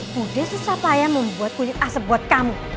budi susah payah membuat kunyit asam buat kamu